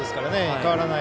変わらない。